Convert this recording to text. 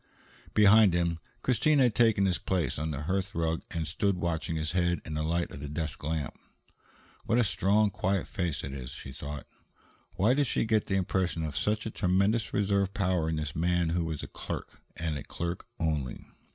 Behind him, Christine had taken his place on the hearth rug and stood watching his head in the light of the desk lamp. "What a strong, quiet face it is," she thought. Why did she get the impression of such a tremendous reserve power in this man who was a clerk, and a clerk only?